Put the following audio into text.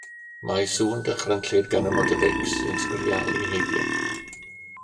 Mae sŵn dychrynllyd gan y motobeics yn sgrialu heibio.